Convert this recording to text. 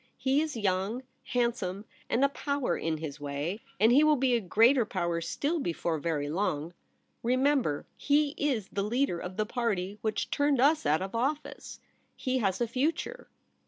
He Is young, handsome, and a power in his way ; and he will be a greater power still, before very long. Remember, he Is the leader of the party which turned us out of office. He has a future.'